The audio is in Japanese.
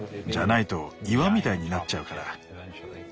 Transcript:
じゃないと岩みたいになっちゃうから。